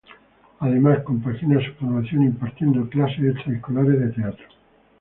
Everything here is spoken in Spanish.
Además, compagina su formación impartiendo clases extraescolares de teatro.